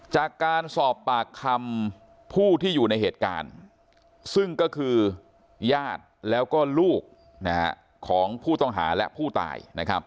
จากการสอบปากคำผู้ที่อยู่ในเหตุการณ์ซึ่งก็คือญาติแล้วก็ลูกของผู้ต้องหาและผู้ตาย